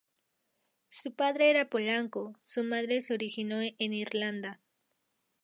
Su padre era polaco, su madre se originó en Irlanda.